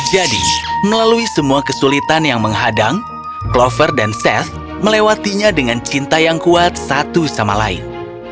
jadi melalui semua kesulitan yang menghadang clover dan seth melewatinya dengan cinta yang kuat satu sama lain